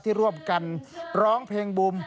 ที่ร่วมกันร้องเพลงบุม